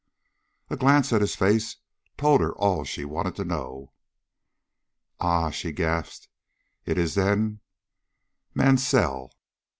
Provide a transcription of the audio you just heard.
A glance at his face told her all she wanted to know. "Ah!" she gasped, "it is then " "Mansell!"